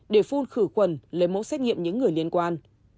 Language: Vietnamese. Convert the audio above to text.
để phun khử khuẩn lấy mẫu xét nghiệm những người liên quan